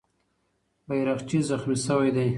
بیرغچی زخمي سوی دی.